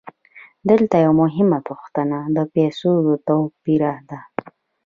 دلته یوه مهمه پوښتنه د پیسو د توپیر ده